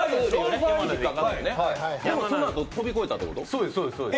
そのあと跳び越えたってこと？